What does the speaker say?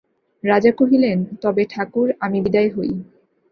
রাজা কহিলেন, তবে ঠাকুর, আমি বিদায় হই।